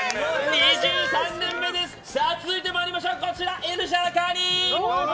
続いてまいりましょうエルシャラカーニ！